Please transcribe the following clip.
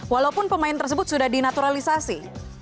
walaupun pemain tersebut sudah dinaturalisasi